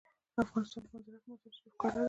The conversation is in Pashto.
د افغانستان په منظره کې مزارشریف ښکاره ده.